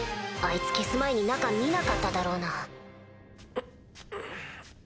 あいつ消す前に中見なかっただろうな。